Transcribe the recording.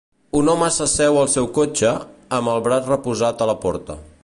Un home s'asseu al seu cotxe, amb el braç reposat a la porta.